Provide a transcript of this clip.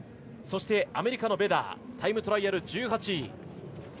そして、アメリカのベダータイムトライアル１８位。